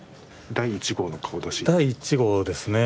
第１号ですね。